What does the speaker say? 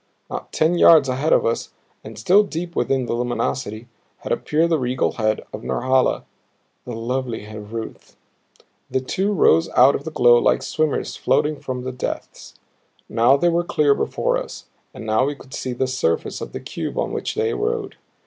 Not ten yards ahead of us and still deep within the luminosity had appeared the regal head of Norhala, the lovely head of Ruth. The two rose out of the glow like swimmers floating from the depths. Now they were clear before us, and now we could see the surface of the cube on which they rode.